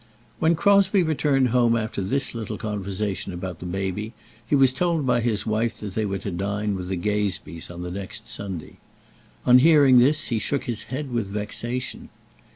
When Crosbie returned home after this little conversation about the baby, he was told by his wife that they were to dine with the Gazebees on the next Sunday. On hearing this he shook his head with vexation.